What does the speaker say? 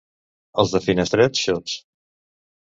Els de Finestret, xots.